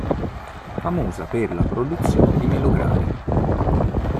Famosa per la produzione di melograni.